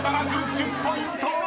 １０ポイント！］